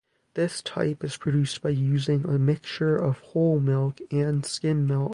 This type is produced by using a mixture of whole milk and skim milk.